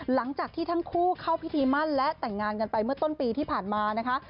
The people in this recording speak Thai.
หลังจากที่ทั้งคู่เข้าพิธีมั่นและแต่งงานกันไปเมื่อต้นปีที่ผ่านมานะคะ